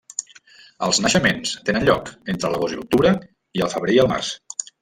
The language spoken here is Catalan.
Els naixements tenen lloc entre l'agost i l'octubre, i el febrer i el març.